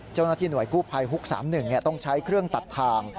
เจ้าหน้าที่หน่วยกู้ภัยฮุก๓๑ต้องใช้เครื่องตัดทาง